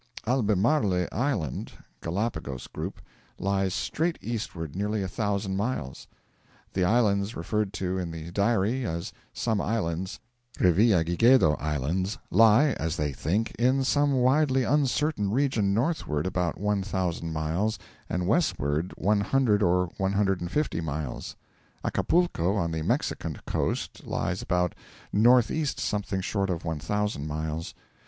Albemarle Island (Galapagos group) lies straight eastward nearly a thousand miles; the islands referred to in the diary as 'some islands' (Revillagigedo Islands) lie, as they think, in some widely uncertain region northward about one thousand miles and westward one hundred or one hundred and fifty miles. Acapulco, on the Mexican coast, lies about north east something short of one thousand miles.